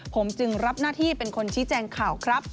ผมจึงรับหน้าที่เป็นคนชี้แจงข่าวครับ